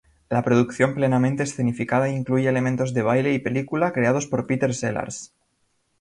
La producción plenamente escenificada incluye elementos de baile y película creados por Peter Sellars.